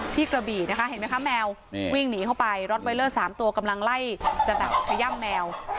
ที่กระบี่นะคะเห็นมั้ยค่ะแมวหนีเข้าไป๓ตัวกำลังไล่จากหยั่งแมว